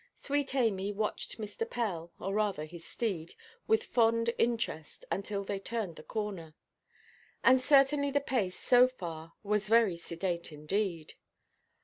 Sweet Amy watched Mr. Pell, or rather his steed, with fond interest, until they turned the corner; and certainly the pace, so far, was very sedate indeed.